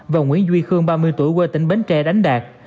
và nguyễn duy khương ba mươi tuổi quê tỉnh bến tre đánh đạt